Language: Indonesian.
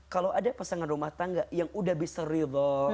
kalau ada pasangan rumah tangga yang udah bisa ridho